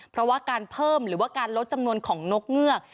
เพราะว่าการเพิ่มหรือว่าการลดจำนวนของนกเงือก